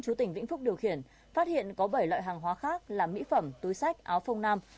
chú tỉnh vĩnh phúc điều khiển phát hiện có bảy loại hàng hóa khác là mỹ phẩm túi sách áo phong nam